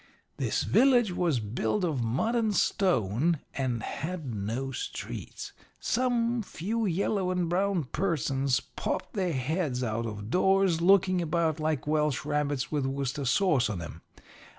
"This village was built of mud and stone, and had no streets. Some few yellow and brown persons popped their heads out of doors, looking about like Welsh rabbits with Worcester sauce on em.